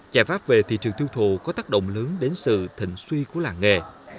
trải pháp về thị trường thiêu thụ có tác động lớn đến sự thịnh suy của làng nghề